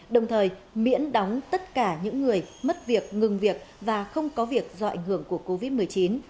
đồng thời miễn đóng tất cả những người mất việc ngừng việc và không có việc do ảnh hưởng của covid một mươi chín